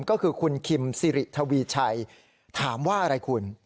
ก็คือคุณคิมสิริทวีชัยถามว่าอะไรคุณ